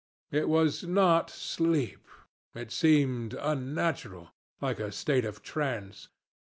It was not sleep it seemed unnatural, like a state of trance.